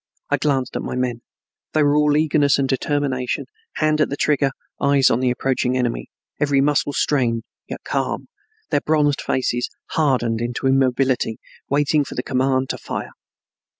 I glanced at my men. They were all eagerness and determination, hand at the trigger, eyes on the approaching enemy, every muscle strained, yet calm, their bronzed faces hardened into immobility, waiting for the command to fire.